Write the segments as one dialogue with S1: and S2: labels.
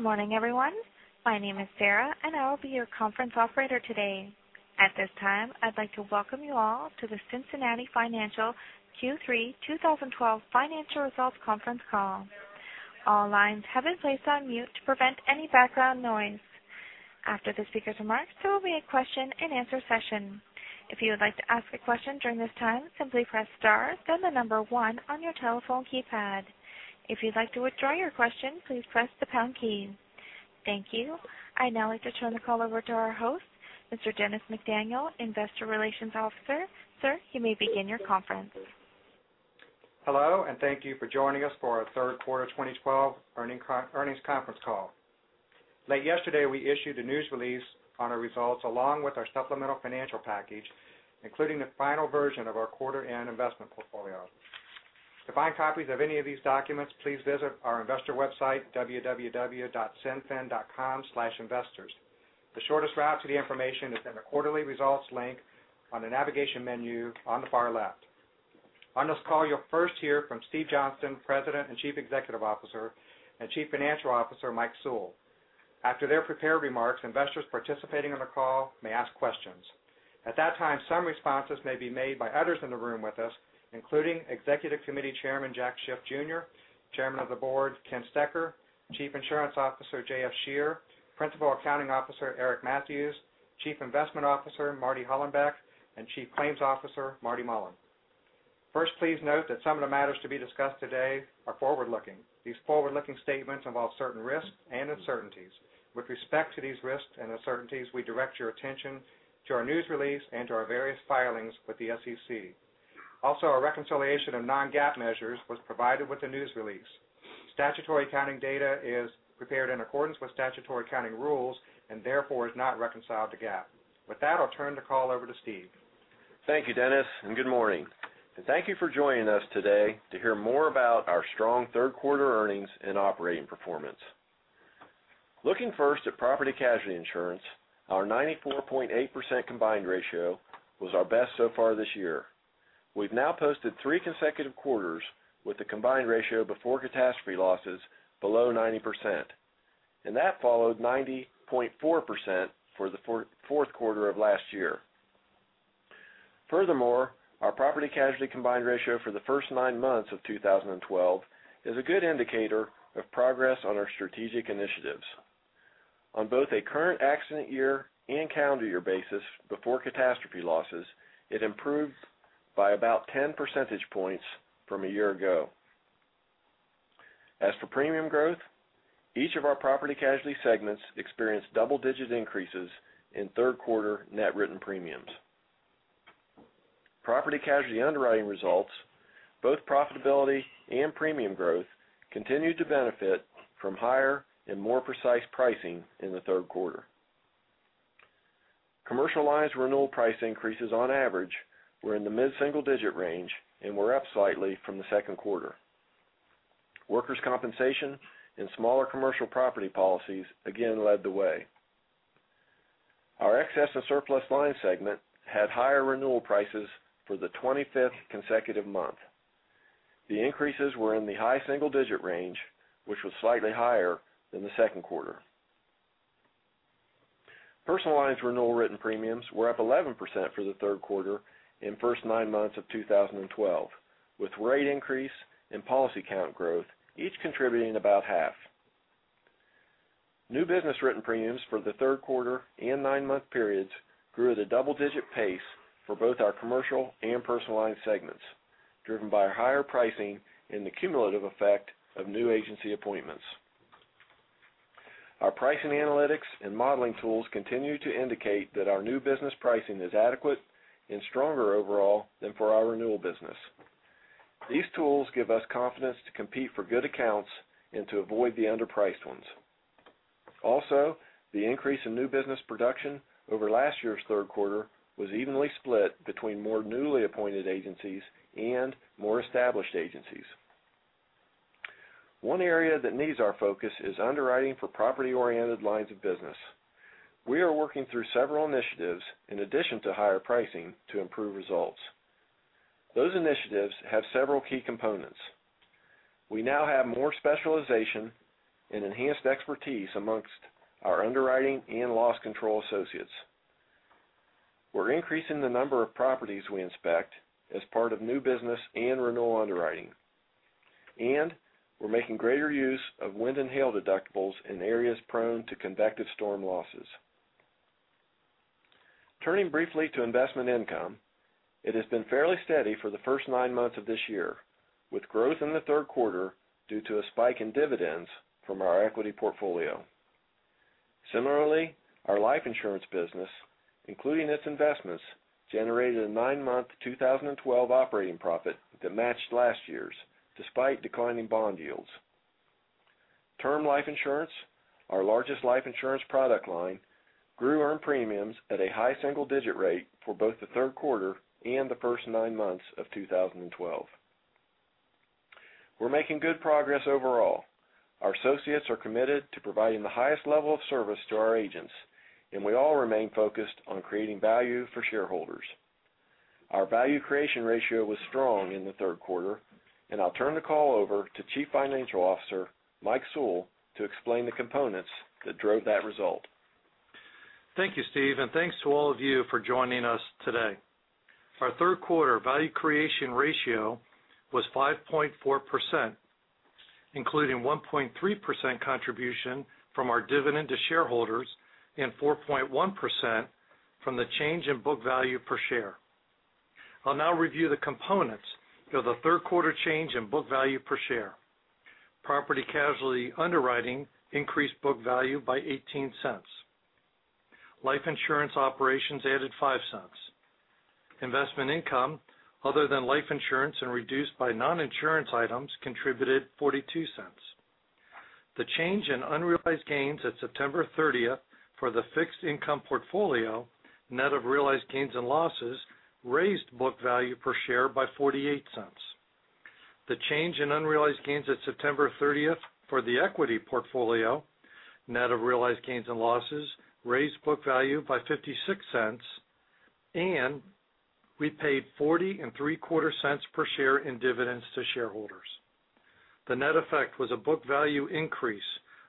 S1: Good morning, everyone. My name is Sarah, and I will be your conference operator today. At this time, I'd like to welcome you all to the Cincinnati Financial Q3 2012 Financial Results Conference Call. All lines have been placed on mute to prevent any background noise. After the speaker's remarks, there will be a question and answer session. If you would like to ask a question during this time, simply press star, then the number one on your telephone keypad. If you'd like to withdraw your question, please press the pound key. Thank you. I'd now like to turn the call over to our host, Mr. Dennis McDaniel, Investor Relations Officer. Sir, you may begin your conference.
S2: Hello. Thank you for joining us for our third quarter 2012 earnings conference call. Late yesterday, we issued a news release on our results, along with our supplemental financial package, including the final version of our quarter end investment portfolio. To find copies of any of these documents, please visit our investor website, www.cinfin.com/investors. The shortest route to the information is in the quarterly results link on the navigation menu on the far left. On this call, you'll first hear from Steve Johnston, President and Chief Executive Officer, and Chief Financial Officer, Mike Sewell. After their prepared remarks, investors participating on the call may ask questions. At that time, some responses may be made by others in the room with us, including Executive Committee Chairman, Jack Schiff Jr., Chairman of the Board, Ken Stecher, Chief Insurance Officer, J.F. Scherer, Principal Accounting Officer, Eric M. Mathews, Chief Investment Officer, Martin Hollenbeck, and Chief Claims Officer, Martin Mullen. First, please note that some of the matters to be discussed today are forward-looking. These forward-looking statements involve certain risks and uncertainties. With respect to these risks and uncertainties, we direct your attention to our news release and to our various filings with the SEC. Also, a reconciliation of non-GAAP measures was provided with the news release. Statutory accounting data is prepared in accordance with statutory accounting rules and therefore is not reconciled to GAAP. I'll turn the call over to Steve.
S3: Thank you, Dennis. Good morning. Thank you for joining us today to hear more about our strong third quarter earnings and operating performance. Looking first at property casualty insurance, our 94.8% combined ratio was our best so far this year. We've now posted three consecutive quarters with a combined ratio before catastrophe losses below 90%, and that followed 90.4% for the fourth quarter of last year. Furthermore, our property casualty combined ratio for the first nine months of 2012 is a good indicator of progress on our strategic initiatives. On both a current accident year and calendar year basis before catastrophe losses, it improved by about 10 percentage points from a year ago. As for premium growth, each of our property casualty segments experienced double-digit increases in third quarter net written premiums. Property casualty underwriting results, both profitability and premium growth, continued to benefit from higher and more precise pricing in the third quarter. Commercial lines renewal price increases on average were in the mid-single digit range and were up slightly from the second quarter. Workers' compensation and smaller commercial property policies again led the way. Our excess and surplus lines segment had higher renewal prices for the 25th consecutive month. The increases were in the high single digit range, which was slightly higher than the second quarter. Personal lines renewal written premiums were up 11% for the third quarter in the first nine months of 2012, with rate increase and policy count growth, each contributing about half. New business written premiums for the third quarter and nine-month periods grew at a double-digit pace for both our commercial and personal line segments, driven by higher pricing and the cumulative effect of new agency appointments. Our pricing analytics and modeling tools continue to indicate that our new business pricing is adequate and stronger overall than for our renewal business. These tools give us confidence to compete for good accounts and to avoid the underpriced ones. The increase in new business production over last year's third quarter was evenly split between more newly appointed agencies and more established agencies. One area that needs our focus is underwriting for property-oriented lines of business. We are working through several initiatives in addition to higher pricing to improve results. Those initiatives have several key components. We now have more specialization and enhanced expertise amongst our underwriting and loss control associates. We're increasing the number of properties we inspect as part of new business and renewal underwriting. We're making greater use of wind and hail deductibles in areas prone to convective storm losses. Turning briefly to investment income, it has been fairly steady for the first nine months of this year, with growth in the third quarter due to a spike in dividends from our equity portfolio. Similarly, our life insurance business, including its investments, generated a nine-month 2012 operating profit that matched last year's, despite declining bond yields. Term life insurance, our largest life insurance product line, grew earned premiums at a high single digit rate for both the third quarter and the first nine months of 2012. We're making good progress overall. Our associates are committed to providing the highest level of service to our agents. We all remain focused on creating value for shareholders. Our value creation ratio was strong in the third quarter. I'll turn the call over to Chief Financial Officer, Mike Sewell, to explain the components that drove that result.
S4: Thank you, Steve, and thanks to all of you for joining us today. Our third quarter value creation ratio was 5.4%, including 1.3% contribution from our dividend to shareholders and 4.1% from the change in book value per share. I'll now review the components of the third quarter change in book value per share. Property casualty underwriting increased book value by $0.18. Life insurance operations added $0.05. Investment income other than life insurance and reduced by non-insurance items contributed $0.42. The change in unrealized gains at September 30th for the fixed income portfolio, net of realized gains and losses, raised book value per share by $0.48. The change in unrealized gains at September 30th for the equity portfolio, net of realized gains and losses, raised book value by $0.56, and we paid 40 and three quarter cents per share in dividends to shareholders. The net effect was a book value increase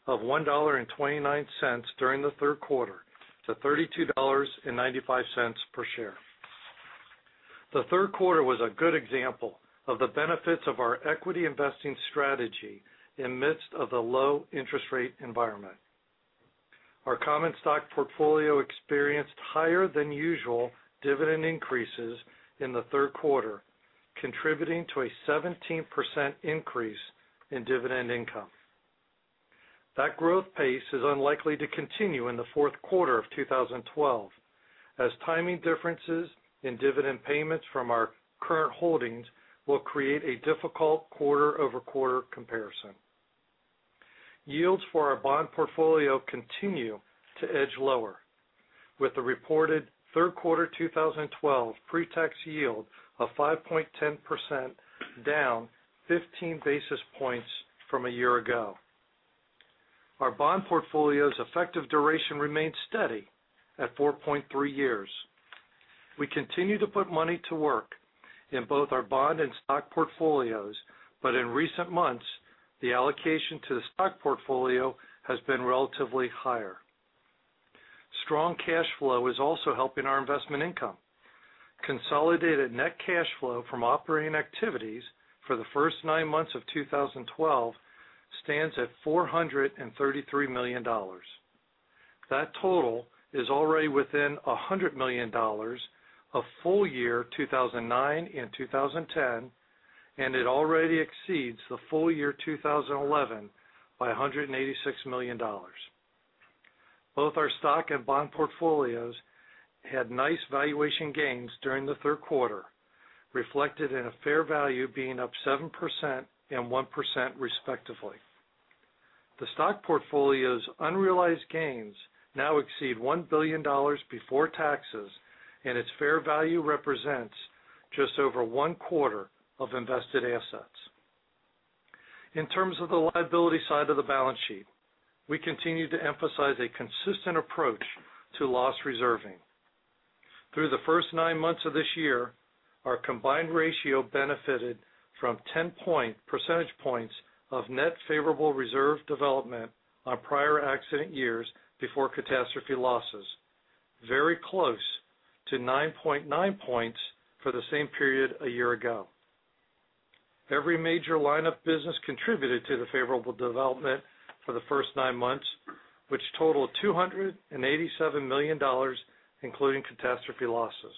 S4: of $1.29 during the third quarter, to $32.95 per share. The third quarter was a good example of the benefits of our equity investing strategy in midst of the low interest rate environment. Our common stock portfolio experienced higher than usual dividend increases in the third quarter, contributing to a 17% increase in dividend income. That growth pace is unlikely to continue in the fourth quarter of 2012, as timing differences in dividend payments from our current holdings will create a difficult quarter-over-quarter comparison. Yields for our bond portfolio continue to edge lower with a reported third quarter 2012 pre-tax yield of 5.10%, down 15 basis points from a year ago. Our bond portfolio's effective duration remains steady at 4.3 years. We continue to put money to work in both our bond and stock portfolios, but in recent months, the allocation to the stock portfolio has been relatively higher. Strong cash flow is also helping our investment income. Consolidated net cash flow from operating activities for the first nine months of 2012 stands at $433 million. That total is already within $100 million of full year 2009 and 2010, and it already exceeds the full year 2011 by $186 million. Both our stock and bond portfolios had nice valuation gains during the third quarter, reflected in a fair value being up 7% and 1% respectively. The stock portfolio's unrealized gains now exceed $1 billion before taxes, and its fair value represents just over one-quarter of invested assets. In terms of the liability side of the balance sheet, we continue to emphasize a consistent approach to loss reserving. Through the first nine months of this year, our combined ratio benefited from 10 percentage points of net favorable reserve development on prior accident years before catastrophe losses, very close to 9.9 points for the same period a year ago. Every major lineup business contributed to the favorable development for the first nine months, which totaled $287 million, including catastrophe losses.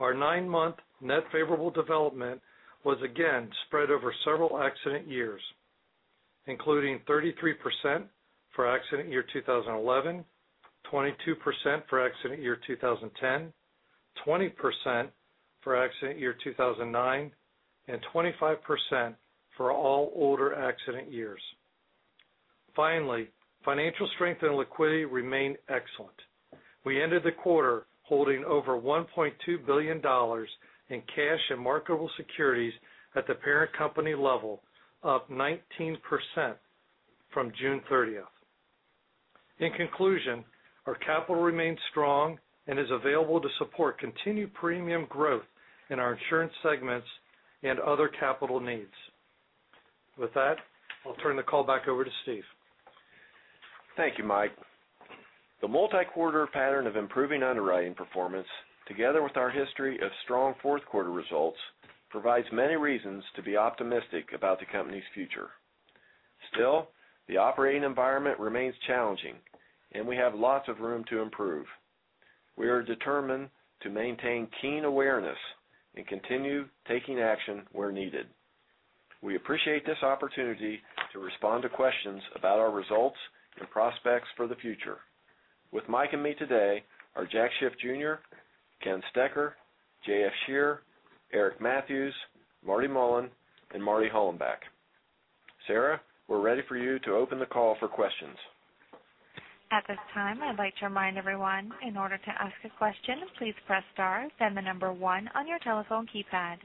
S4: Our nine-month net favorable development was again spread over several accident years, including 33% for accident year 2011, 22% for accident year 2010, 20% for accident year 2009, and 25% for all older accident years. Finally, financial strength and liquidity remain excellent. We ended the quarter holding over $1.2 billion in cash and marketable securities at the parent company level, up 19% from June 30th. In conclusion, our capital remains strong and is available to support continued premium growth in our insurance segments and other capital needs. With that, I'll turn the call back over to Steve.
S3: Thank you, Mike. The multi-quarter pattern of improving underwriting performance, together with our history of strong fourth quarter results, provides many reasons to be optimistic about the company's future. Still, the operating environment remains challenging, and we have lots of room to improve. We are determined to maintain keen awareness and continue taking action where needed. We appreciate this opportunity to respond to questions about our results and prospects for the future. With Mike and me today are Jack Schiff Jr., Ken Stecher, J.F. Scheer, Eric Matthews, Marty Mullen, and Marty Hollenbeck. Sarah, we're ready for you to open the call for questions.
S1: At this time, I'd like to remind everyone, in order to ask a question, please press star then the number one on your telephone keypad.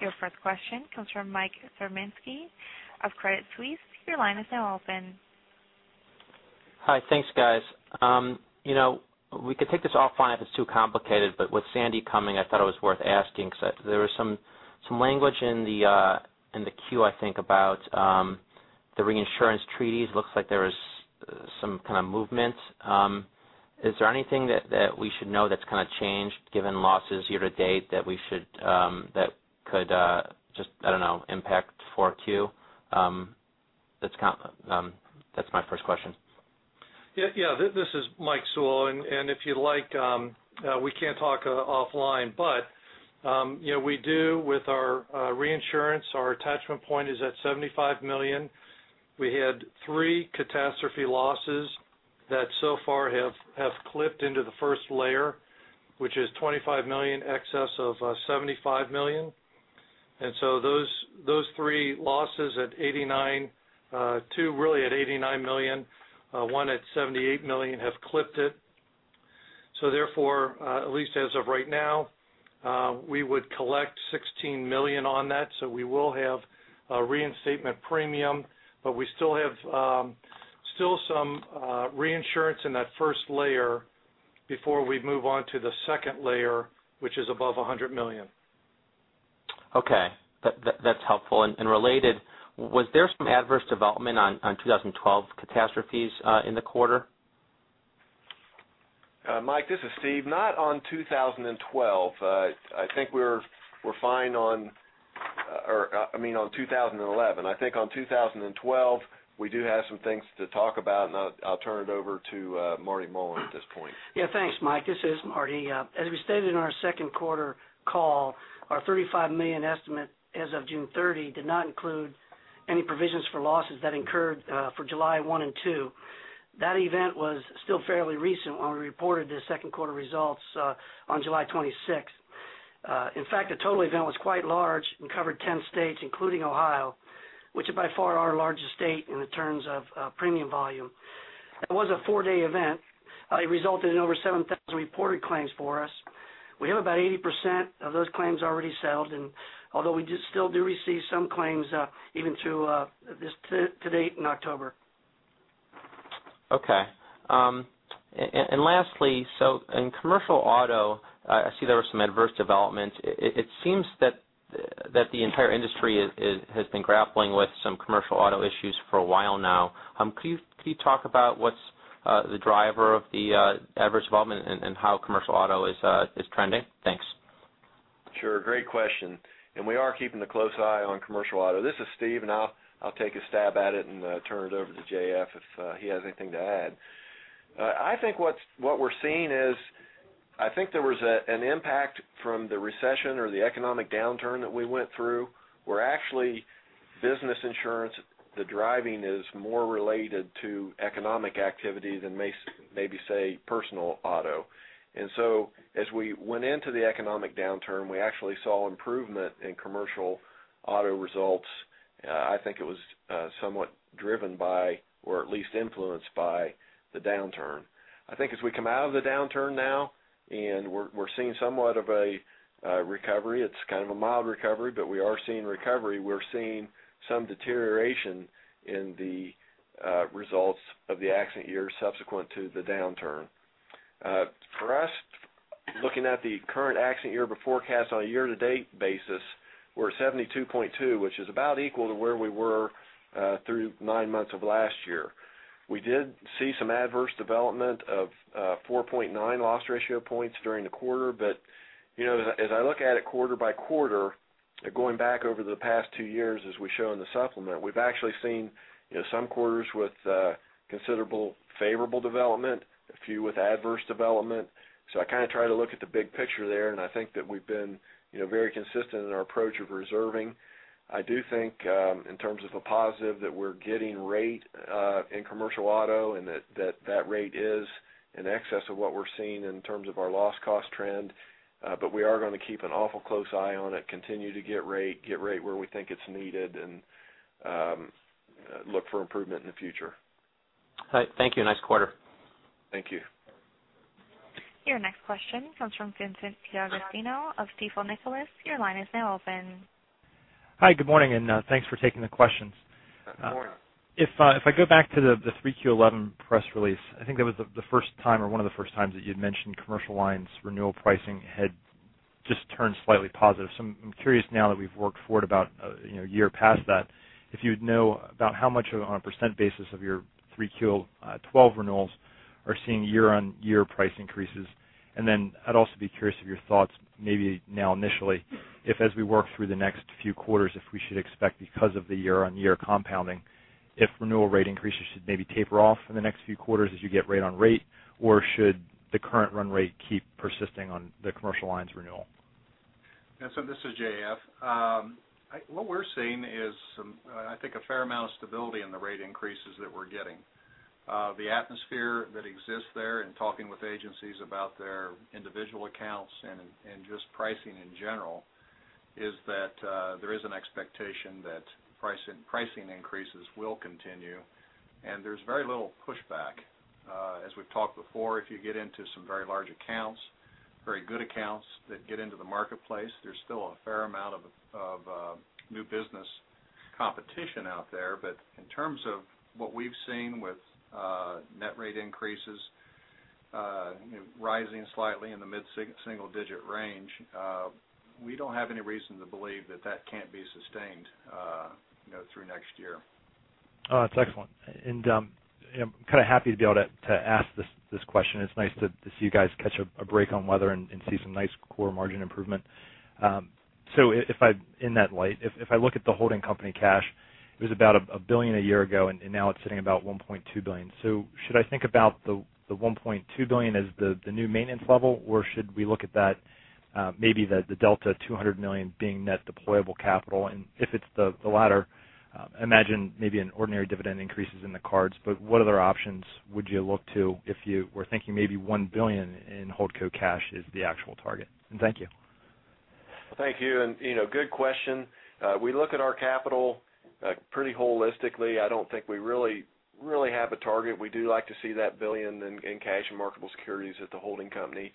S1: Your first question comes from Mike Zaremski of Credit Suisse. Your line is now open.
S5: Hi. Thanks, guys. We could take this offline if it's too complicated, but with Sandy coming, I thought it was worth asking, because there was some language in the Q, I think, about the reinsurance treaties. Looks like there was some kind of movement. Is there anything that we should know that's changed given losses year to date that could just, I don't know, impact 4Q? That's my first question.
S4: This is Mike Sewell, if you like, we can talk offline. We do with our reinsurance, our attachment point is at $75 million. We had three catastrophe losses that so far have clipped into the first layer, which is $25 million excess of $75 million. Those three losses at $89 million, two really at $89 million, one at $78 million, have clipped it. Therefore, at least as of right now, we would collect $16 million on that, we will have a reinstatement premium, but we still have some reinsurance in that first layer before we move on to the second layer, which is above $100 million.
S5: Okay. That's helpful. Related, was there some adverse development on 2012 catastrophes in the quarter?
S3: Mike, this is Steve. Not on 2012. I think we're fine on 2011. I think on 2012, we do have some things to talk about, I'll turn it over to Martin Mullen at this point.
S6: Yeah, thanks, Mike. This is Marty. As we stated in our second quarter call, our $35 million estimate as of June 30 did not include any provisions for losses that incurred for July 1 and 2. That event was still fairly recent when we reported the second quarter results on July 26th. In fact, the total event was quite large and covered 10 states, including Ohio, which is by far our largest state in the terms of premium volume. That was a four-day event. It resulted in over 7,000 reported claims for us. We have about 80% of those claims already settled, although we just still do receive some claims even to date in October.
S5: Okay. Lastly, in commercial auto, I see there were some adverse developments. It seems that the entire industry has been grappling with some commercial auto issues for a while now. Could you talk about what's the driver of the adverse development and how commercial auto is trending? Thanks.
S3: Sure. Great question. We are keeping a close eye on commercial auto. This is Steve, I'll take a stab at it and turn it over to J.F. if he has anything to add. I think what we're seeing is, I think there was an impact from the recession or the economic downturn that we went through, where actually business insurance, the driving is more related to economic activity than maybe, say, personal auto. As we went into the economic downturn, we actually saw improvement in commercial auto results. I think it was somewhat driven by or at least influenced by the downturn. I think as we come out of the downturn now and we're seeing somewhat of a recovery, it's kind of a mild recovery, but we are seeing recovery. We're seeing some deterioration in the results of the accident year subsequent to the downturn. For us, looking at the current accident year before cat on a year-to-date basis, we're at 72.2, which is about equal to where we were through nine months of last year. We did see some adverse development of 4.9 loss ratio points during the quarter. As I look at it quarter by quarter, going back over the past two years as we show in the supplement, we've actually seen some quarters with considerable favorable development, a few with adverse development. I try to look at the big picture there, I think that we've been very consistent in our approach of reserving. I do think, in terms of a positive that we're getting rate in commercial auto and that rate is in excess of what we're seeing in terms of our loss cost trend. We are going to keep an awful close eye on it, continue to get rate where we think it's needed and look for improvement in the future.
S5: All right. Thank you. Nice quarter.
S3: Thank you.
S1: Your next question comes from Vincent D'Agostino of Stifel Nicolaus. Your line is now open.
S7: Hi, good morning, and thanks for taking the questions.
S3: Good morning.
S7: If I go back to the 3Q11 press release, I think that was the first time or one of the first times that you'd mentioned commercial lines renewal pricing had just turned slightly positive. I'm curious now that we've worked forward about a year past that, if you'd know about how much on a % basis of your 3Q12 renewals are seeing year-over-year price increases. I'd also be curious of your thoughts maybe now initially if as we work through the next few quarters, if we should expect because of the year-over-year compounding, if renewal rate increases should maybe taper off in the next few quarters as you get rate on rate, or should the current run rate keep persisting on the commercial lines renewal?
S8: Vincent, this is J.F. What we're seeing is I think a fair amount of stability in the rate increases that we're getting. The atmosphere that exists there in talking with agencies about their individual accounts and just pricing in general is that there is an expectation that pricing increases will continue, and there's very little pushback. As we've talked before, if you get into some very large accounts Very good accounts that get into the marketplace. There's still a fair amount of new business competition out there. In terms of what we've seen with net rate increases rising slightly in the mid-single digit range, we don't have any reason to believe that can't be sustained through next year.
S7: That's excellent. I'm happy to be able to ask this question. It's nice to see you guys catch a break on weather and see some nice core margin improvement. In that light, if I look at the holding company cash, it was about $1 billion a year ago, and now it's sitting about $1.2 billion. Should I think about the $1.2 billion as the new maintenance level, or should we look at that maybe the delta $200 million being net deployable capital, if it's the latter, I imagine maybe an ordinary dividend increase is in the cards, but what other options would you look to if you were thinking maybe $1 billion in hold co cash is the actual target? Thank you.
S3: Thank you, good question. We look at our capital pretty holistically. I don't think we really have a target. We do like to see that $1 billion in cash and marketable securities at the holding company.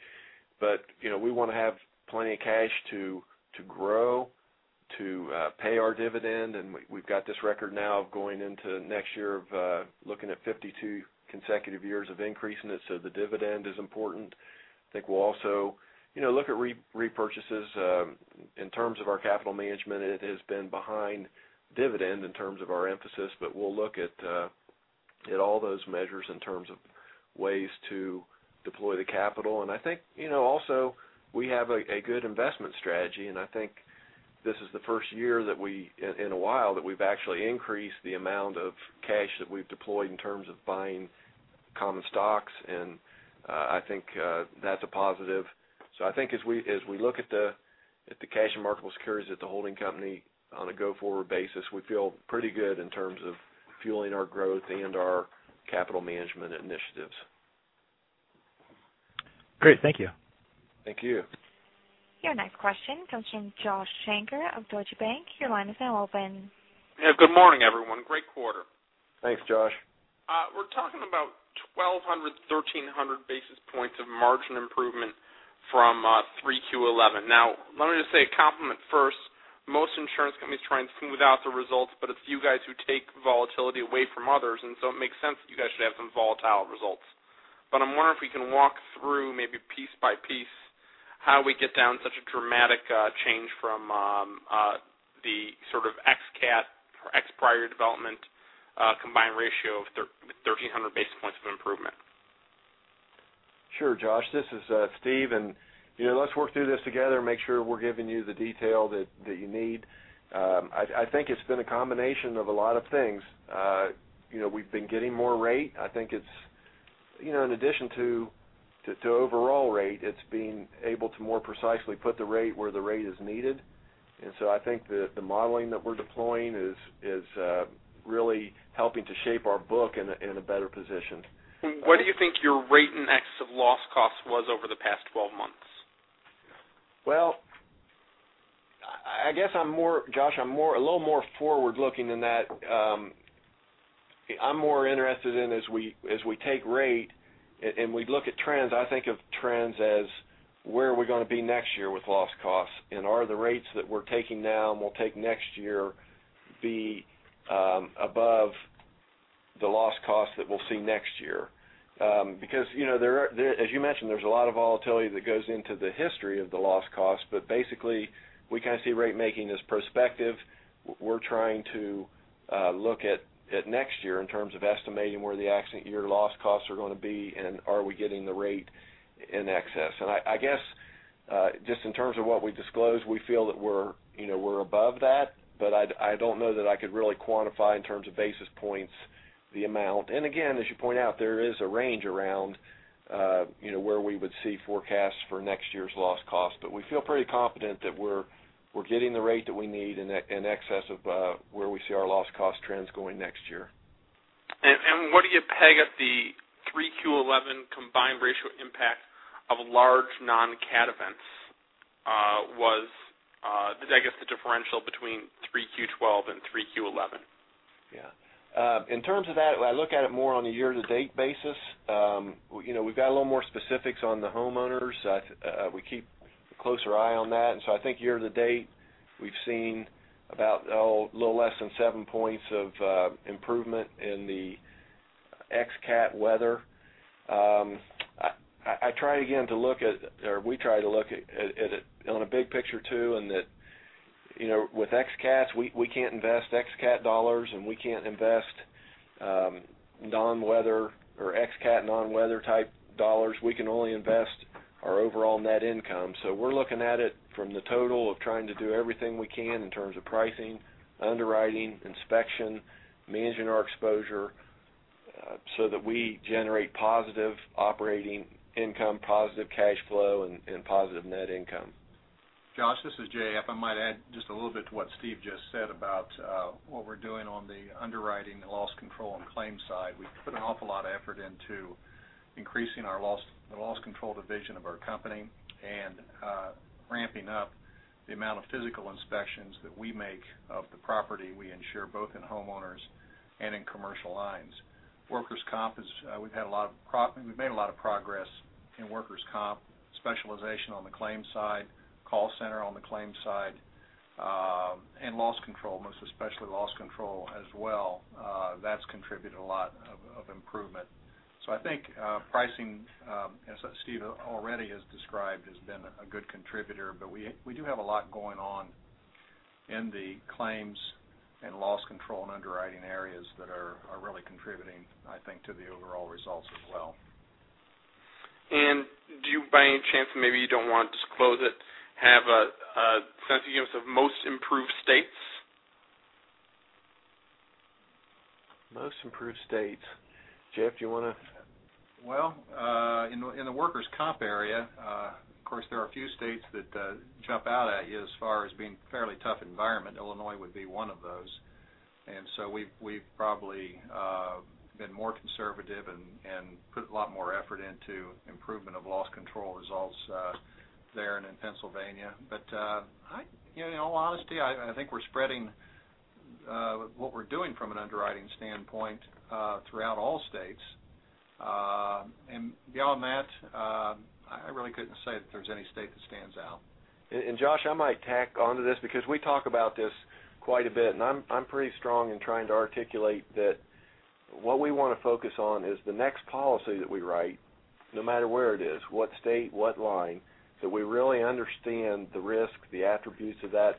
S3: We want to have plenty of cash to grow, to pay our dividend, and we've got this record now of going into next year of looking at 52 consecutive years of increasing it. The dividend is important. I think we'll also look at repurchases in terms of our capital management, it has been behind dividend in terms of our emphasis, but we'll look at all those measures in terms of ways to deploy the capital. I think also we have a good investment strategy, I think this is the first year in a while that we've actually increased the amount of cash that we've deployed in terms of buying common stocks. I think that's a positive. I think as we look at the cash and marketable securities at the holding company on a go-forward basis, we feel pretty good in terms of fueling our growth and our capital management initiatives.
S7: Great. Thank you.
S3: Thank you.
S1: Your next question comes from Joshua Shanker of Deutsche Bank. Your line is now open.
S9: Yeah, good morning, everyone. Great quarter.
S3: Thanks, Josh.
S9: We're talking about 1,200, 1,300 basis points of margin improvement from Q3 2011. Let me just say a compliment first. Most insurance companies try and smooth out the results, it's you guys who take volatility away from others, it makes sense that you guys should have some volatile results. I'm wondering if we can walk through maybe piece by piece how we get down such a dramatic change from the sort of ex-cat or ex-prior development combined ratio of 1,300 basis points of improvement.
S3: Sure, Josh. This is Steve, and let's work through this together and make sure we're giving you the detail that you need. I think it's been a combination of a lot of things. We've been getting more rate. I think in addition to overall rate, it's being able to more precisely put the rate where the rate is needed. I think that the modeling that we're deploying is really helping to shape our book in a better position.
S9: What do you think your rate and excess of loss cost was over the past 12 months?
S3: I guess, Josh, I'm a little more forward-looking than that. I'm more interested in as we take rate and we look at trends, I think of trends as where are we going to be next year with loss costs, and are the rates that we're taking now and will take next year be above the loss cost that we'll see next year? As you mentioned, there's a lot of volatility that goes into the history of the loss cost, we kind of see rate making as prospective. We're trying to look at next year in terms of estimating where the accident year loss costs are going to be and are we getting the rate in excess. I guess just in terms of what we disclose, we feel that we're above that, I don't know that I could really quantify in terms of basis points the amount. Again, as you point out, there is a range around where we would see forecasts for next year's loss cost. We feel pretty confident that we're getting the rate that we need in excess of where we see our loss cost trends going next year.
S9: What do you peg at the 3Q11 combined ratio impact of large non-cat events was, I guess, the differential between 3Q12 and 3Q11?
S3: Yeah. In terms of that, I look at it more on a year-to-date basis. We've got a little more specifics on the homeowners. We keep a closer eye on that. So I think year to date, we've seen about a little less than seven points of improvement in the ex-cat weather. I try again to look at, or we try to look at it on a big picture, too, with ex cats, we can't invest ex-cat dollars and we can't invest non-weather or ex-cat non-weather type dollars. We can only invest our overall net income. We're looking at it from the total of trying to do everything we can in terms of pricing, underwriting, inspection, managing our exposure, so that we generate positive operating income, positive cash flow, and positive net income.
S8: Josh, this is J.F. If I might add just a little bit to what Steve just said about what we're doing on the underwriting and loss control and claims side. We've put an awful lot of effort into increasing our loss control division of our company and Ramping up the amount of physical inspections that we make of the property we insure, both in homeowners and in commercial lines. Workers' comp, we've made a lot of progress in workers' comp specialization on the claims side, call center on the claims side, and most especially loss control as well. That's contributed a lot of improvement. I think pricing, as Steve already has described, has been a good contributor, but we do have a lot going on in the claims and loss control and underwriting areas that are really contributing, I think, to the overall results as well.
S9: Do you, by any chance, maybe you don't want to disclose it, have a sense of most improved states?
S8: Most improved states. Jeff, you want to? Well, in the workers' comp area, of course, there are a few states that jump out at you as far as being fairly tough environment. Illinois would be one of those. We've probably been more conservative and put a lot more effort into improvement of loss control results there and in Pennsylvania. In all honesty, I think we're spreading what we're doing from an underwriting standpoint throughout all states. Beyond that, I really couldn't say that there's any state that stands out. Josh, I might tack onto this because we talk about this quite a bit, and I'm pretty strong in trying to articulate that what we want to focus on is the next policy that we write, no matter where it is, what state, what line, that we really understand the risk, the attributes of that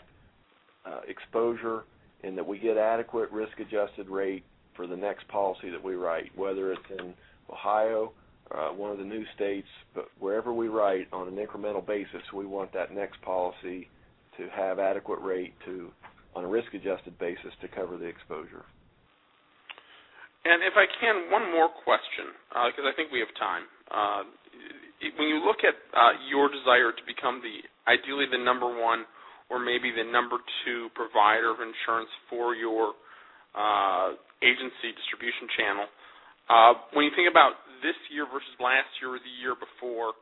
S8: exposure, and that we get adequate risk-adjusted rate for the next policy that we write. Whether it's in Ohio, one of the new states, wherever we write on an incremental basis, we want that next policy to have adequate rate to, on a risk-adjusted basis, to cover the exposure.
S9: If I can, one more question, because I think we have time. When you look at your desire to become ideally the number one or maybe the number two provider of insurance for your agency distribution channel, when you think about this year versus last year or the year before,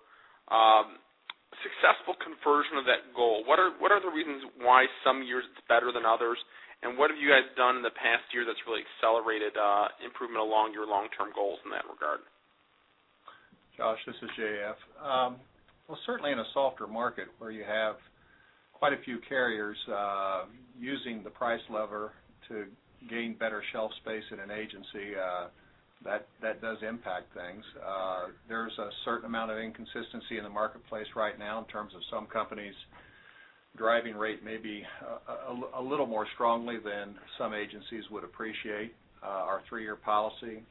S9: successful conversion of that goal, what are the reasons why some years it's better than others? What have you guys done in the past year that's really accelerated improvement along your long-term goals in that regard?
S8: Josh, this is J.F. Well, certainly in a softer market where you have quite a few carriers using the price lever to gain better shelf space in an agency, that does impact things. There's a certain amount of inconsistency in the marketplace right now in terms of some companies driving rate maybe a little more strongly than some agencies would appreciate. Our three-year policy,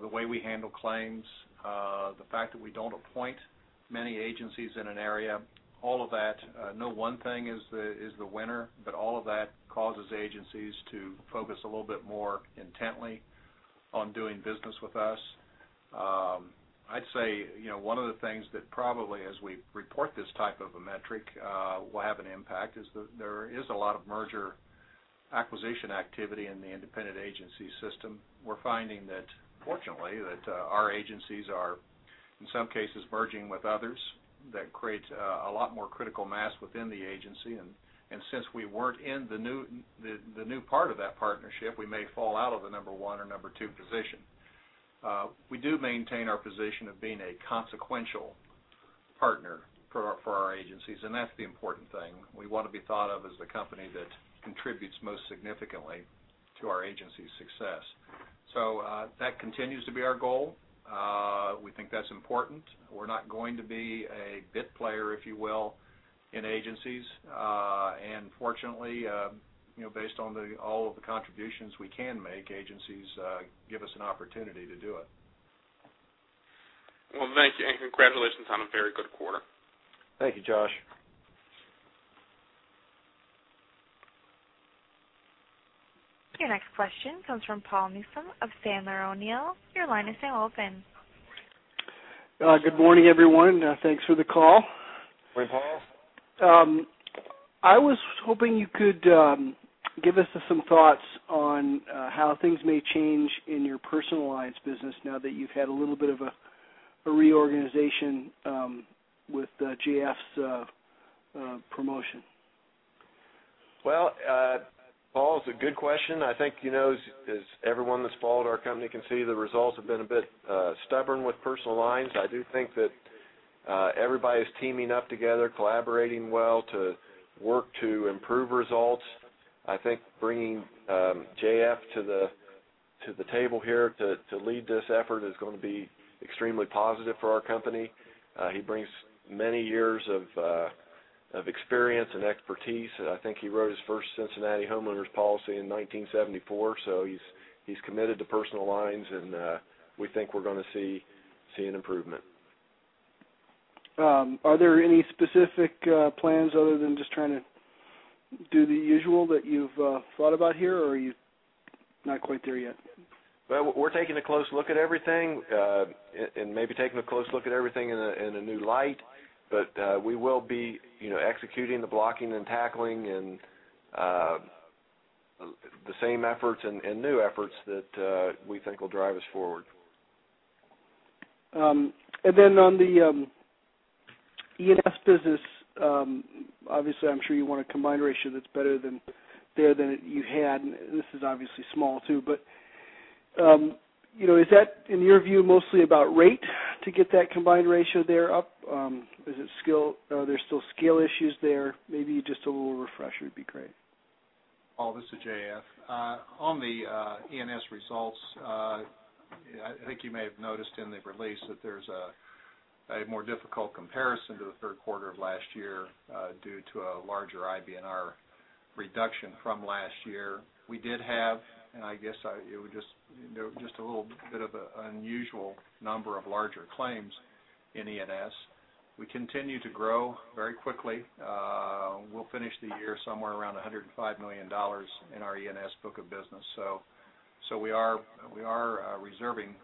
S8: the way we handle claims, the fact that we don't appoint many agencies in an area, all of that, no one thing is the winner, but all of that causes agencies to focus a little bit more intently on doing business with us. I'd say one of the things that probably as we report this type of a metric will have an impact is that there is a lot of merger acquisition activity in the independent agency system. We're finding that fortunately that our agencies are, in some cases, merging with others. That creates a lot more critical mass within the agency, and since we weren't in the new part of that partnership, we may fall out of the number one or number two position. We do maintain our position of being a consequential partner for our agencies, and that's the important thing. We want to be thought of as the company that contributes most significantly to our agencies' success. That continues to be our goal. We think that's important. We're not going to be a bit player, if you will, in agencies. Fortunately, based on all of the contributions we can make, agencies give us an opportunity to do it.
S9: Well, thank you, congratulations on a very good quarter.
S8: Thank you, Josh.
S1: Your next question comes from Paul Newsome of Sandler O'Neill. Your line is now open.
S10: Good morning, everyone. Thanks for the call.
S8: Morning, Paul.
S10: I was hoping you could give us some thoughts on how things may change in your personal lines business now that you've had a little bit of a reorganization with J.F.'s promotion.
S3: Well, Paul, it's a good question. I think as everyone that's followed our company can see, the results have been a bit stubborn with personal lines. I do think that everybody's teaming up together, collaborating well to work to improve results. I think bringing J.F. to the table here to lead this effort is going to be extremely positive for our company. He brings many years of experience and expertise. I think he wrote his first Cincinnati homeowners policy in 1974, so he's committed to personal lines, and we think we're going to see an improvement.
S10: Are there any specific plans other than just trying to do the usual that you've thought about here, or are you not quite there yet?
S8: We're taking a close look at everything and maybe taking a close look at everything in a new light. We will be executing the blocking and tackling.
S3: The same efforts and new efforts that we think will drive us forward.
S10: On the E&S business, obviously, I'm sure you want a combined ratio that's better there than you had, and this is obviously small too, is that, in your view, mostly about rate to get that combined ratio there up? Is it scale? Are there still scale issues there? Maybe just a little refresher would be great.
S8: Paul, this is J.F. On the E&S results, I think you may have noticed in the release that there's a more difficult comparison to the third quarter of last year due to a larger IBNR reduction from last year. We did have, and I guess, it was just a little bit of an unusual number of larger claims in E&S. We continue to grow very quickly. We'll finish the year somewhere around $105 million in our E&S book of business. We are reserving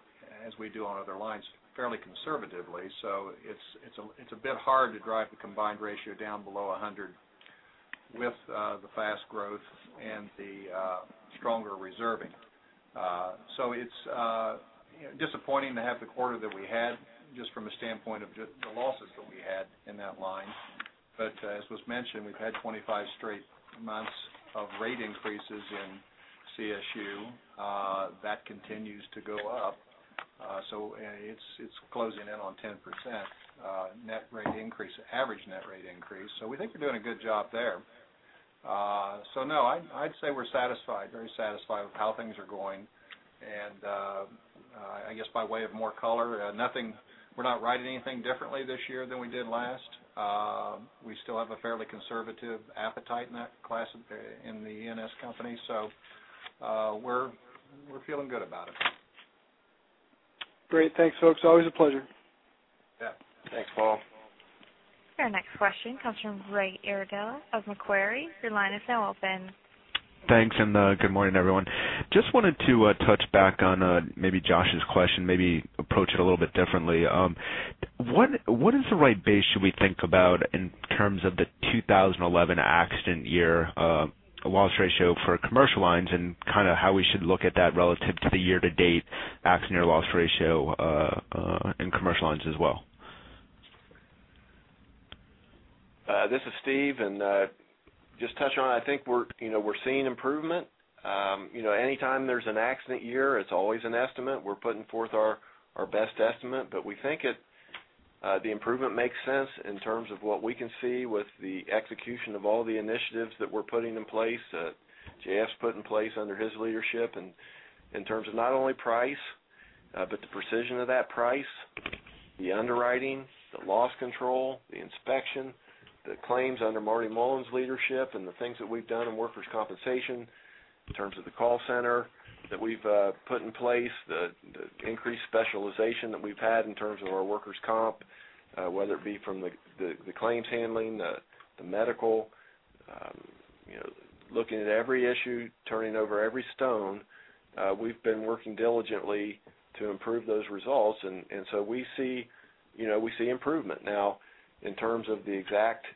S8: as we do on other lines fairly conservatively. It's a bit hard to drive the combined ratio down below 100 with the fast growth and the stronger reserving. It's disappointing to have the quarter that we had, just from a standpoint of just the losses that we had in that line. As was mentioned, we've had 25 straight months of rate increases in CSU. That continues to go up. It's closing in on 10% net rate increase, average net rate increase. We think we're doing a good job there. No, I'd say we're satisfied, very satisfied with how things are going. I guess by way of more color, we're not writing anything differently this year than we did last. We still have a fairly conservative appetite in the E&S company. We're feeling good about it.
S10: Great. Thanks, folks. Always a pleasure.
S3: Yeah. Thanks, Paul.
S1: Your next question comes from Ray Irigonegaray of Macquarie. Your line is now open.
S11: Thanks. Good morning, everyone. Just wanted to touch back on maybe Josh's question, maybe approach it a little bit differently. What is the right base should we think about in terms of the 2011 accident year loss ratio for commercial lines and how we should look at that relative to the year to date accident year loss ratio in commercial lines as well?
S3: Just touching on it, I think we're seeing improvement. Anytime there's an accident year, it's always an estimate. We're putting forth our best estimate, but we think the improvement makes sense in terms of what we can see with the execution of all the initiatives that we're putting in place, that J.F.'s put in place under his leadership. In terms of not only price, but the precision of that price, the underwriting, the loss control, the inspection, the claims under Martin Mullen's leadership, the things that we've done in workers' compensation in terms of the call center that we've put in place, the increased specialization that we've had in terms of our workers' comp, whether it be from the claims handling, the medical, looking at every issue, turning over every stone. We've been working diligently to improve those results, we see improvement. In terms of the exact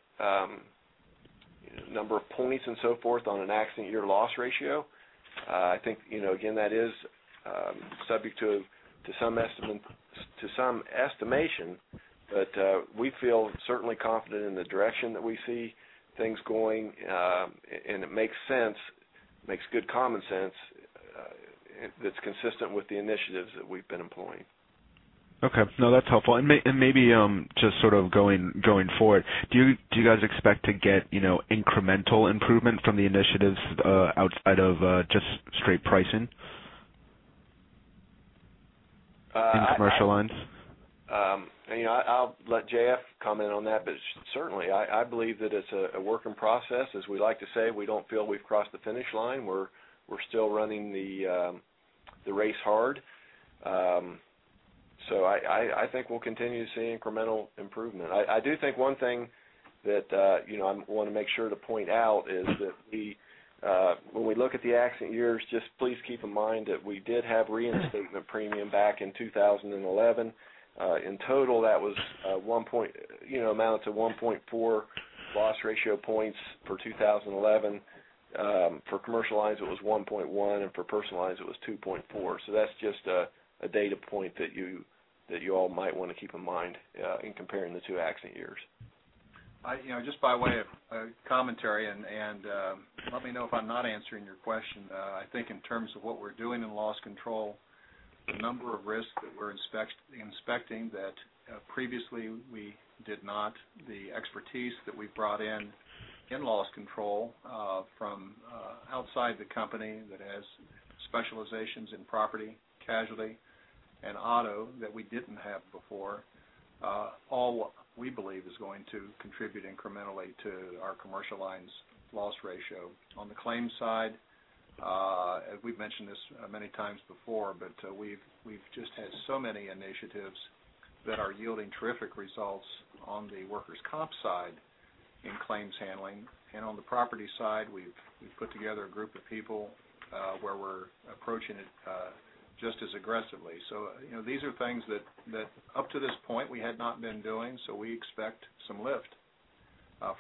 S3: number of points and so forth on an accident year loss ratio, I think, again, that is subject to some estimation. We feel certainly confident in the direction that we see things going, it makes sense, makes good common sense, that's consistent with the initiatives that we've been employing.
S11: Okay. No, that's helpful. Maybe just sort of going forward, do you guys expect to get incremental improvement from the initiatives, outside of just straight pricing in commercial lines?
S3: I'll let J.F. comment on that, certainly, I believe that it's a work in process. As we like to say, we don't feel we've crossed the finish line. We're still running the race hard. I think we'll continue to see incremental improvement. I do think one thing that I want to make sure to point out is that when we look at the accident years, just please keep in mind that we did have reinstatement premium back in 2011. In total, that amounts to 1.4 loss ratio points for 2011. For commercial lines, it was 1.1, for personal lines, it was 2.4. That's just a data point that you all might want to keep in mind in comparing the two accident years.
S8: Just by way of commentary and let me know if I'm not answering your question. I think in terms of what we're doing in loss control, the number of risks that we're inspecting that previously we did not, the expertise that we've brought in loss control from outside the company that has specializations in property, casualty, and auto that we didn't have before, all we believe is going to contribute incrementally to our commercial lines loss ratio. On the claims side, we've mentioned this many times before, we've just had so many initiatives that are yielding terrific results on the workers' comp side in claims handling. On the property side, we've put together a group of people where we're approaching it just as aggressively. These are things that up to this point we had not been doing, so we expect some lift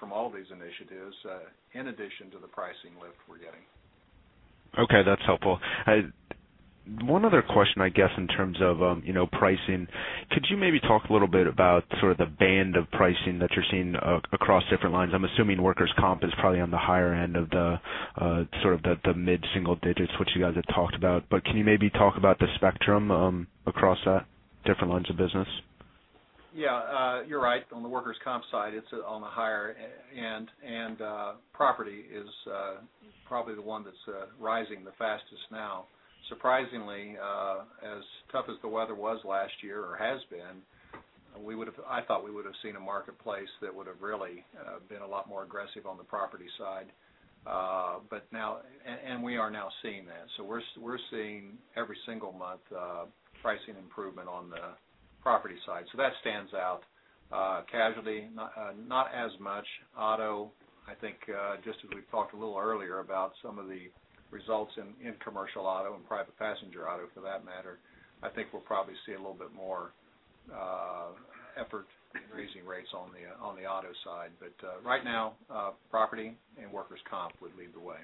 S8: from all these initiatives in addition to the pricing lift we're getting.
S11: Okay, that's helpful. One other question, I guess, in terms of pricing. Could you maybe talk a little bit about sort of the band of pricing that you're seeing across different lines? I'm assuming workers' comp is probably on the higher end of the mid-single digits, which you guys have talked about, can you maybe talk about the spectrum across different lines of business?
S8: Yeah. You're right. On the workers' comp side, it's on the higher end, property is probably the one that's rising the fastest now. Surprisingly, as tough as the weather was last year or has been, I thought we would've seen a marketplace that would've really been a lot more aggressive on the property side. We are now seeing that. We're seeing every single month pricing improvement on the property side. That stands out. Casualty, not as much. Auto, I think just as we talked a little earlier about some of the results in commercial auto and private passenger auto for that matter, I think we'll probably see a little bit more effort in raising rates on the auto side. Right now, property and workers' comp would lead the way.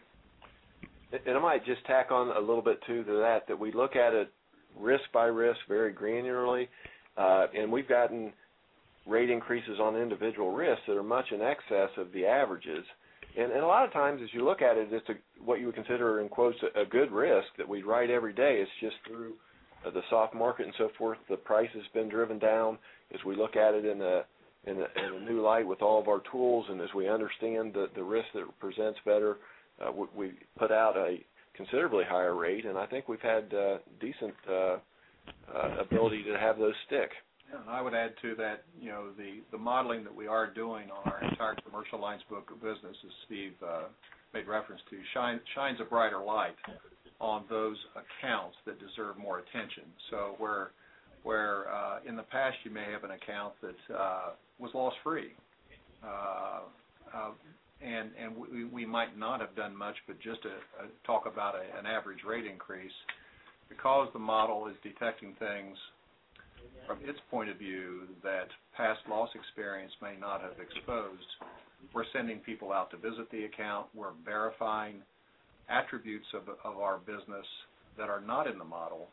S3: I might just tack on a little bit to that we look at it risk by risk very granularly. We've gotten rate increases on individual risks that are much in excess of the averages. A lot of times, as you look at it, what you would consider, in quotes, a good risk that we'd write every day is just through the soft market and so forth, the price has been driven down as we look at it in a new light with all of our tools and as we understand the risk that it presents better, we put out a considerably higher rate. I think we've had decent ability to have those stick.
S8: Yeah. I would add to that the modeling that we are doing on our entire commercial lines book of business, as Steve made reference to, shines a brighter light on those accounts that deserve more attention. Where in the past you may have an account that was loss-free, and we might not have done much but just talk about an average rate increase because the model is detecting things from its point of view that past loss experience may not have exposed. We're sending people out to visit the account. We're verifying attributes of our business that are not in the model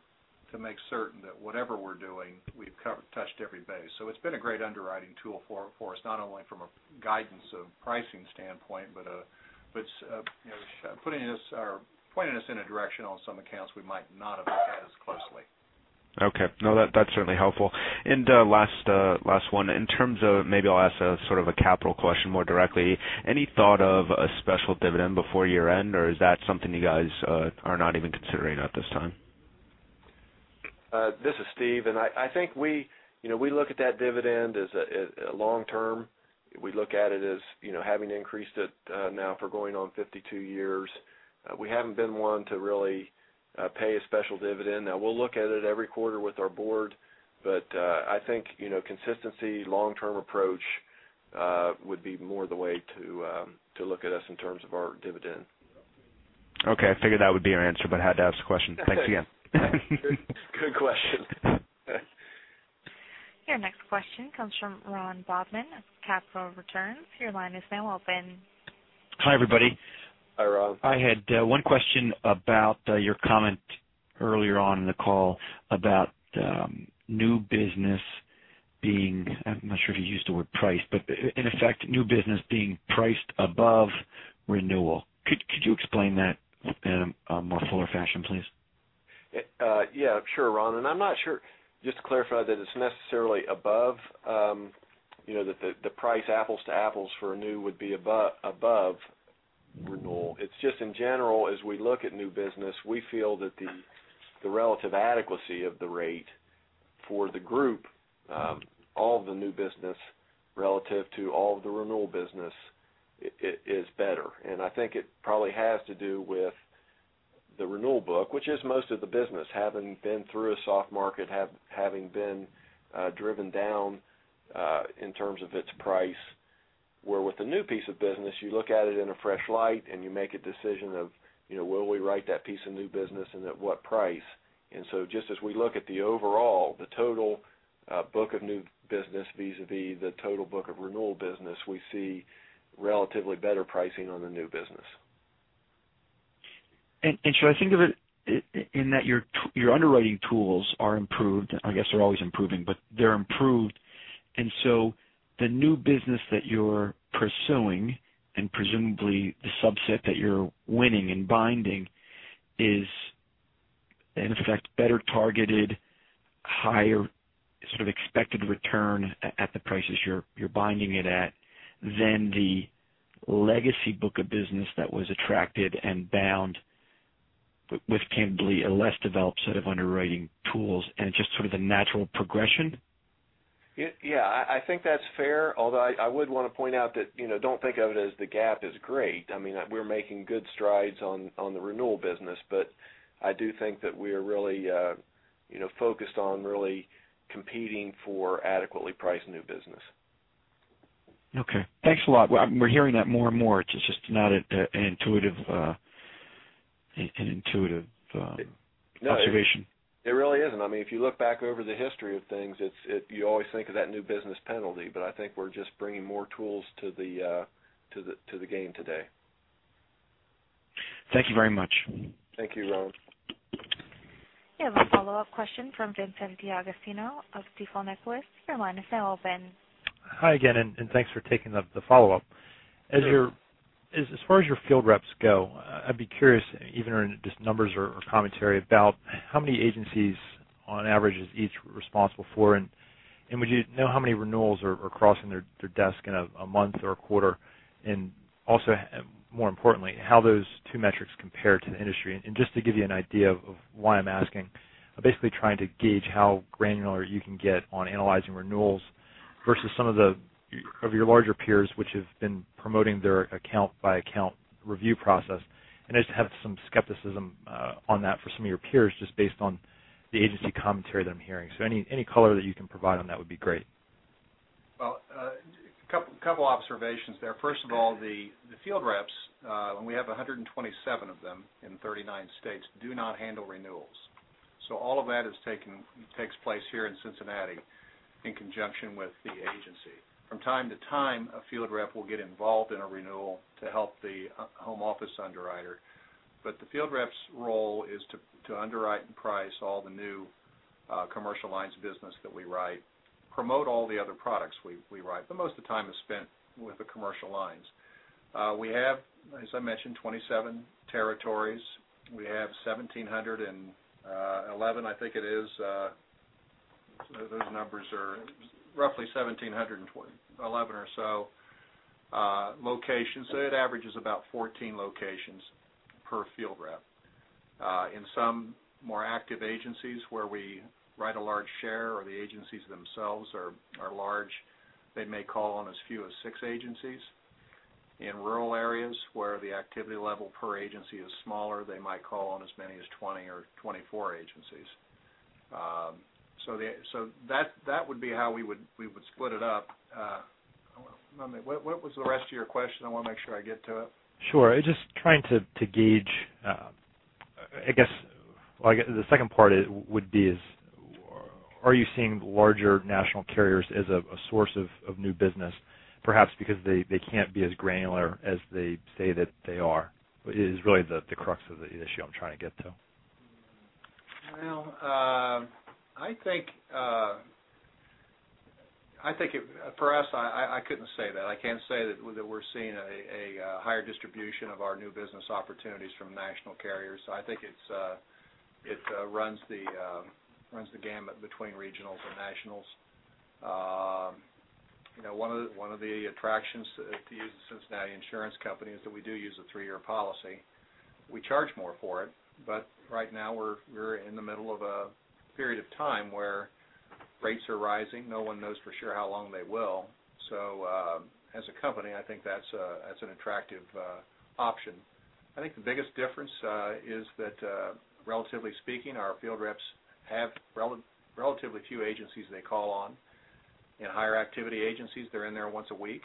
S8: to make certain that whatever we're doing, we've touched every base. It's been a great underwriting tool for us, not only from a guidance of pricing standpoint, but pointing us in a direction on some accounts we might not have looked at as closely.
S11: Okay. No, that's certainly helpful. Last one. Maybe I'll ask a sort of a capital question more directly. Any thought of a special dividend before year-end, or is that something you guys are not even considering at this time?
S3: This is Steve. I think we look at that dividend as long term. We look at it as having increased it now for going on 52 years. We haven't been one to really pay a special dividend. Now we'll look at it every quarter with our board, but I think consistency, long-term approach would be more the way to look at us in terms of our dividend.
S11: Okay. I figured that would be your answer, but had to ask the question. Thanks again.
S3: Good question.
S1: Your next question comes from Ron Bobman of Capital Returns. Your line is now open.
S12: Hi, everybody.
S3: Hi, Ron.
S12: I had one question about your comment earlier on in the call about new business being, I am not sure if you used the word priced, but in effect, new business being priced above renewal. Could you explain that in a more fuller fashion, please?
S3: Yeah. Sure, Ron. I am not sure, just to clarify, that it is necessarily above, that the price apples to apples for a new would be above renewal. It is just in general, as we look at new business, we feel that the relative adequacy of the rate for the group, all of the new business relative to all of the renewal business is better. I think it probably has to do with the renewal book, which is most of the business having been through a soft market, having been driven down in terms of its price. Where with a new piece of business, you look at it in a fresh light and you make a decision of will we write that piece of new business and at what price? Just as we look at the overall, the total book of new business vis-a-vis the total book of renewal business, we see relatively better pricing on the new business.
S12: Should I think of it in that your underwriting tools are improved, I guess they're always improving, but they're improved, the new business that you're pursuing, and presumably the subset that you're winning and binding is in effect better targeted, higher sort of expected return at the prices you're binding it at than the legacy book of business that was attracted and bound with presumably a less developed set of underwriting tools and just sort of the natural progression?
S3: Yeah. I think that's fair. Although I would want to point out that don't think of it as the gap is great. I mean, we're making good strides on the renewal business, but I do think that we are really focused on really competing for adequately priced new business.
S12: Okay. Thanks a lot. We're hearing that more and more. It's just not an intuitive observation.
S8: It really isn't. If you look back over the history of things, you always think of that new business penalty, but I think we're just bringing more tools to the game today.
S12: Thank you very much.
S8: Thank you, Ron.
S1: You have a follow-up question from Vincent D'Agostino of Stifel Nicolaus. Your line is now open.
S7: Hi again, thanks for taking the follow-up.
S8: Sure.
S7: As far as your field reps go, I'd be curious, either in just numbers or commentary about how many agencies on average is each responsible for, would you know how many renewals are crossing their desk in a month or a quarter? Also, more importantly, how those two metrics compare to the industry. Just to give you an idea of why I'm asking, I'm basically trying to gauge how granular you can get on analyzing renewals versus some of your larger peers, which have been promoting their account-by-account review process. I just have some skepticism on that for some of your peers, just based on the agency commentary that I'm hearing. Any color that you can provide on that would be great.
S8: Well, a couple of observations there. First of all, the field reps, and we have 127 of them in 39 states, do not handle renewals. All of that takes place here in Cincinnati in conjunction with the agency. From time to time, a field rep will get involved in a renewal to help the home office underwriter. The field rep's role is to underwrite and price all the new commercial lines business that we write, promote all the other products we write. Most of the time is spent with the commercial lines. We have, as I mentioned, 27 territories. We have 1,711, I think it is. Those numbers are roughly 1,711 or so locations. It averages about 14 locations per field rep. In some more active agencies where we write a large share or the agencies themselves are large, they may call on as few as six agencies. In rural areas where the activity level per agency is smaller, they might call on as many as 20 or 24 agencies. That would be how we would split it up. What was the rest of your question? I want to make sure I get to it.
S7: Sure. I was just trying to gauge, I guess the second part would be is, are you seeing larger national carriers as a source of new business, perhaps because they can't be as granular as they say that they are? Is really the crux of the issue I'm trying to get to.
S8: I think for us, I couldn't say that. I can't say that we're seeing a higher distribution of our new business opportunities from national carriers. I think it runs the gamut between regionals and nationals. One of the attractions to using The Cincinnati Insurance Company is that we do use a three-year policy. We charge more for it, right now we're in the middle of a period of time where rates are rising. No one knows for sure how long they will. As a company, I think that's an attractive option. I think the biggest difference is that, relatively speaking, our field reps have relatively few agencies they call on. In higher activity agencies, they're in there once a week.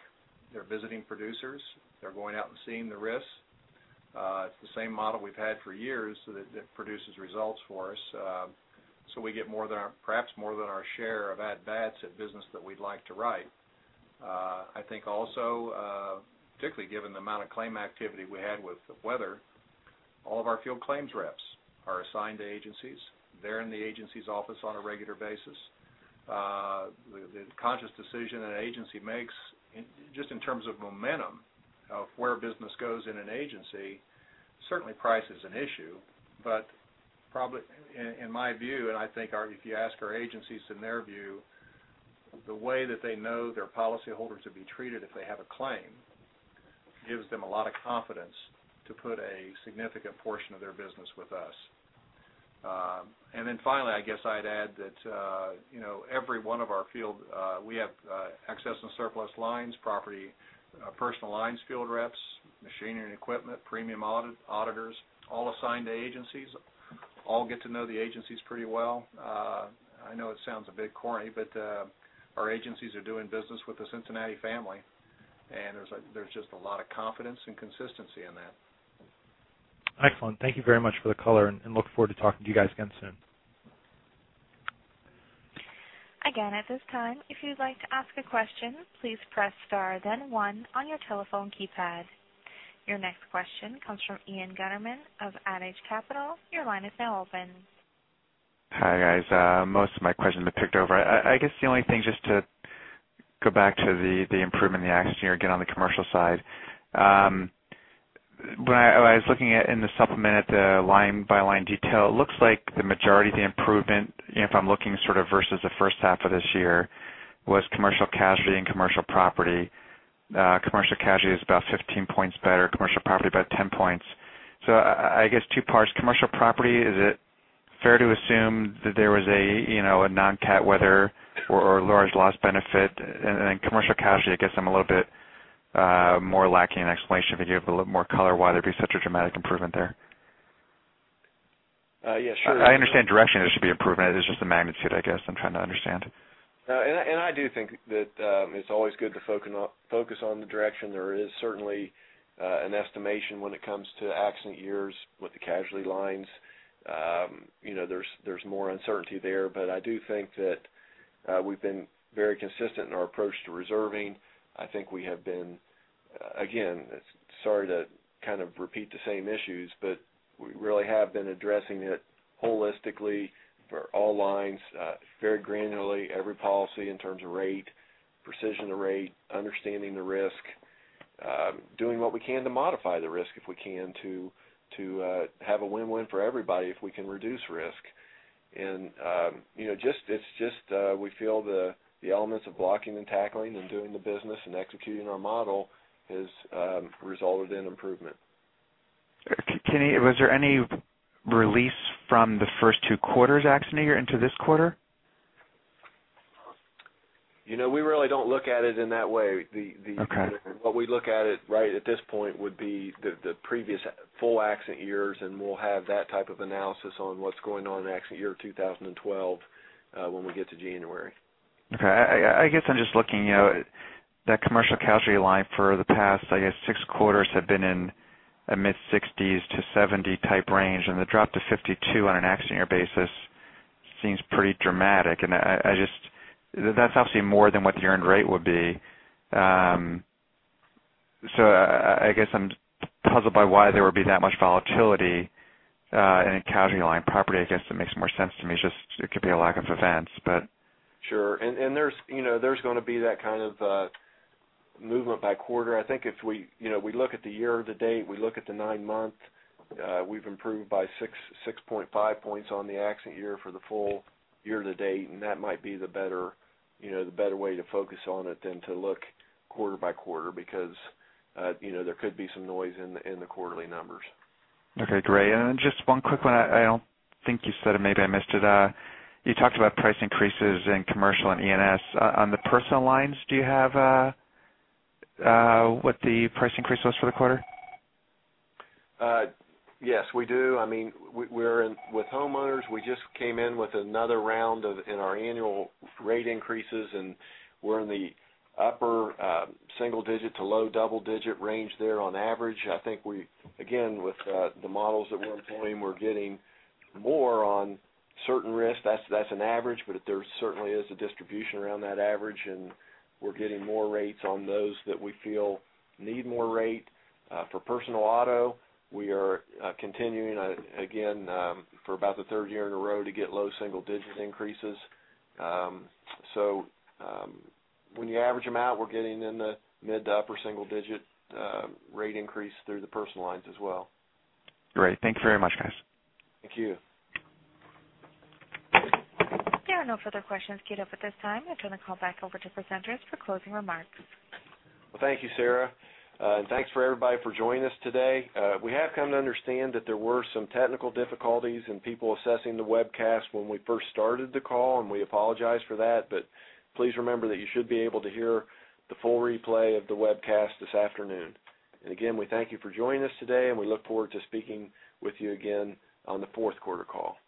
S8: They're visiting producers. They're going out and seeing the risks. It's the same model we've had for years that produces results for us. We get perhaps more than our share of at-bats at business that we'd like to write. I think also, particularly given the amount of claim activity we had with weather, all of our field claims reps are assigned to agencies. They're in the agency's office on a regular basis. The conscious decision an agency makes just in terms of momentum of where business goes in an agency, certainly price is an issue, but probably in my view, and I think if you ask our agencies in their view, the way that they know their policyholders would be treated if they have a claim, gives them a lot of confidence to put a significant portion of their business with us. Finally, I guess I'd add that every one of our field, we have excess and surplus lines, property, personal lines field reps, machinery and equipment, premium auditors, all assigned to agencies, all get to know the agencies pretty well. I know it sounds a bit corny, but our agencies are doing business with the Cincinnati family, and there's just a lot of confidence and consistency in that.
S7: Excellent. Thank you very much for the color, look forward to talking to you guys again soon.
S1: Again, at this time, if you'd like to ask a question, please press star then one on your telephone keypad. Your next question comes from Ian Gutterman of Adage Capital. Your line is now open.
S13: Hi, guys. Most of my questions have been picked over. I guess the only thing, just to go back to the improvement in the accident year, again, on the commercial side. When I was looking at in the supplement at the line-by-line detail, it looks like the majority of the improvement, if I'm looking sort of versus the first half of this year, was commercial casualty and commercial property. Commercial casualty is about 15 points better, commercial property about 10 points. I guess two parts. Commercial property, is it fair to assume that there was a non-cat weather or large loss benefit? Commercial casualty, I guess I'm a little bit more lacking an explanation, but you have a little more color why there'd be such a dramatic improvement there.
S3: Yes, sure.
S13: I understand directionally it should be improving. It is just the magnitude, I guess, I'm trying to understand.
S3: I do think that it's always good to focus on the direction. There is certainly an estimation when it comes to accident years with the casualty lines. There's more uncertainty there. I do think that we've been very consistent in our approach to reserving. I think we have been, again, sorry to kind of repeat the same issues, but we really have been addressing it holistically for all lines very granularly, every policy in terms of rate, precision to rate, understanding the risk, doing what we can to modify the risk if we can to have a win-win for everybody if we can reduce risk. We feel the elements of blocking and tackling and doing the business and executing our model has resulted in improvement.
S13: Was there any release from the first two quarters accident year into this quarter?
S3: We really don't look at it in that way.
S13: Okay.
S3: What we look at it right at this point would be the previous full accident years. We'll have that type of analysis on what's going on in accident year 2012 when we get to January.
S13: I guess I'm just looking, that commercial casualty line for the past, I guess, six quarters have been in a mid-60s to 70 type range. The drop to 52 on an accident year basis seems pretty dramatic, and that's obviously more than what the earned rate would be. I guess I'm puzzled by why there would be that much volatility in a casualty line. Property, I guess that makes more sense to me. It could be a lack of events, but.
S3: Sure. There's going to be that kind of movement by quarter. I think if we look at the year to date, we look at the nine months, we've improved by 6.5 points on the accident year for the full year to date. That might be the better way to focus on it than to look quarter by quarter, because there could be some noise in the quarterly numbers.
S13: Okay, great. Then just one quick one. I don't think you said it, maybe I missed it. You talked about price increases in commercial and E&S. On the personal lines, do you have what the price increase was for the quarter?
S3: Yes, we do. With homeowners, we just came in with another round in our annual rate increases, and we're in the upper single-digit to low double-digit range there on average. I think we, again, with the models that we're employing, we're getting more on certain risks. That's an average, but there certainly is a distribution around that average, and we're getting more rates on those that we feel need more rate. For personal auto, we are continuing, again, for about the third year in a row to get low single-digit increases. When you average them out, we're getting in the mid to upper single-digit rate increase through the personal lines as well.
S13: Great. Thank you very much, guys.
S3: Thank you.
S1: There are no further questions queued up at this time. I turn the call back over to presenters for closing remarks.
S3: Well, thank you, Sarah. Thanks for everybody for joining us today. We have come to understand that there were some technical difficulties in people assessing the webcast when we first started the call, and we apologize for that. Please remember that you should be able to hear the full replay of the webcast this afternoon. Again, we thank you for joining us today, and we look forward to speaking with you again on the fourth quarter call. Thank you